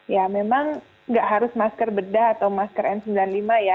ya memang nggak harus masker bedah atau masker n sembilan puluh lima ya